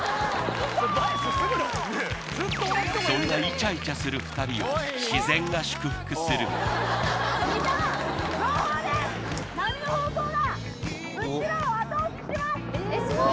そんなイチャイチャする２人を自然が祝福する波の方向がうちらを後押ししてます